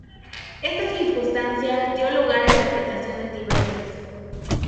Esta circunstancia dio lugar a interpretaciones diversas.